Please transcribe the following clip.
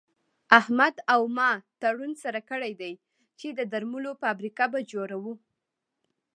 احمد او ما تړون سره کړی دی چې د درملو فابريکه به جوړوو.